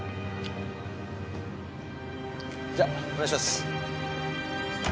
じゃお願いします。